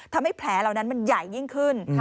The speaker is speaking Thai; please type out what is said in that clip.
ทำให้แผลเหล่านั้นมันใหญ่ยิ่งขึ้น